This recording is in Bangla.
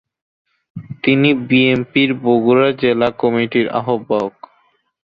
তিনি বিএনপির বগুড়া জেলা কমিটির আহ্বায়ক।